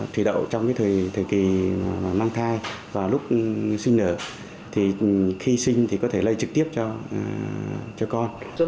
thủy đậu trong thời kỳ mang thai và lúc sinh nở khi sinh thì có thể lây trực tiếp cho con